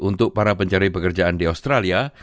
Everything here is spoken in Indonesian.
untuk para pencari pekerjaan di australia